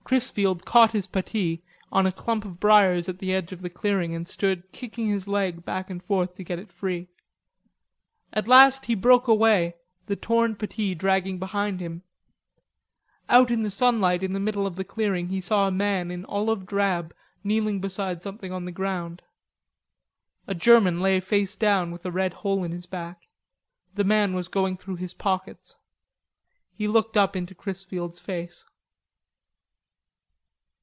Chrisfield caught his puttee on a clump of briars at the edge of the clearing and stood kicking his leg back and forth to get it free. At last he broke away, the torn puttee dragging behind him. Out in the sunlight in the middle of the clearing he saw a man in olive drab kneeling beside something on the ground. A German lay face down with a red hole in his back. The man was going through his pockets. He looked up into Chrisfield's face.